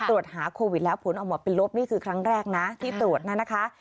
ตรวจหาโควิดแล้วผลออกมาเป็นลบนี่คือครั้งแรกนะที่ตรวจนะคะ